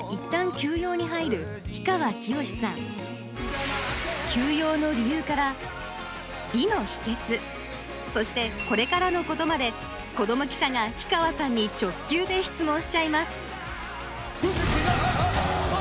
休養の理由から美の秘訣そしてこれからのことまで子ども記者が氷川さんに直球で質問しちゃいます